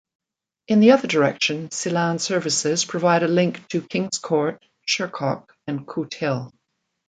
In the other direction Sillan services provide a link to Kingscourt, Shercock and Cootehill.